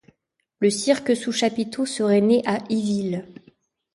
Le cirque sous chapiteau serait né à Iville.